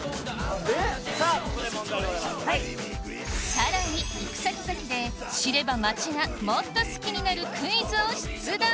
さらに行くさきざきで知れば町がもっと好きになるクイズを出題！